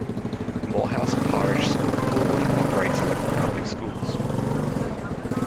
Morehouse Parish School Board operates local public schools.